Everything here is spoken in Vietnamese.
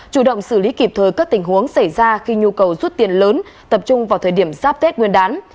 chủ động xử lý kịp thời các tình huống xảy ra khi nhu cầu rút tiền lớn tập trung vào thời điểm giáp tết nguyên đán